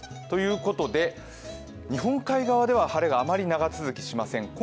ということで、日本海側では晴れがあまり長続きしません。